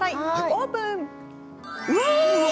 オープン！